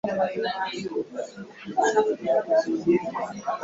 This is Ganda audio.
Anti olwa leero kkooti eragidde poliisi okwamuka amaka ga Kyagulanyi Ssentamu